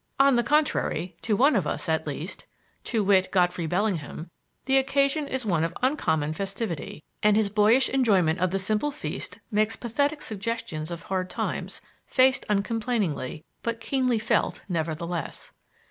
On the contrary, to one of us, at least to wit, Godfrey Bellingham the occasion is one of uncommon festivity, and his boyish enjoyment of the simple feast makes pathetic suggestions of hard times, faced uncomplainingly, but keenly felt nevertheless.